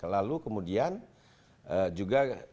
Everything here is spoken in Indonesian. lalu kemudian juga